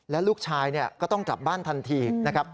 และลูกชายก็ต้องกลับบ้านทันทีนะครับ